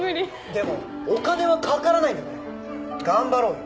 でもお金はかからないんだから頑張ろうよ。